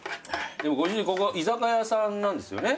でもご主人ここ居酒屋さんなんですよね？